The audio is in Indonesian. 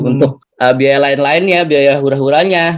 untuk biaya lain lain ya biaya hura huranya